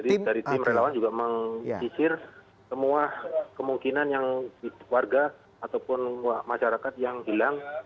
jadi dari tim relawan juga mengisir semua kemungkinan yang warga ataupun masyarakat yang hilang